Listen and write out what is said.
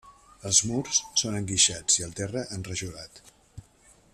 Els murs són enguixats i el terra enrajolat.